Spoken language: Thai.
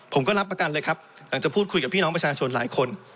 ผมก็รับประกันเลยครับหลังจากพูดคุยกับพี่น้องประชาชนหลายคน